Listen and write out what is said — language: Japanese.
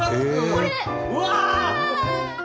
うわ！